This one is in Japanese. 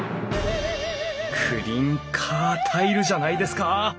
クリンカータイルじゃないですか！